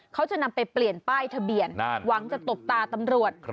เขาจะนำไปเปลี่ยนป้ายทะเบียนหวังจะตบตาตำรวจ